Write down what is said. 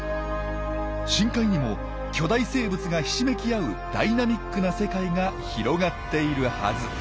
深海にも巨大生物がひしめき合うダイナミックな世界が広がっているはず。